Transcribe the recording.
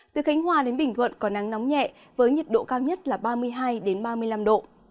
từ khánh hòa đến bình thuận có nắng nóng nhẹ với nhiệt độ cao nhất là ba mươi hai ba mươi năm độ